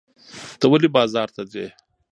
ته ولې بازار ته ځې؟